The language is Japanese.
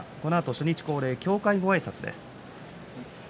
初日恒例の協会ごあいさつです。